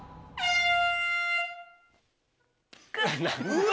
うわ！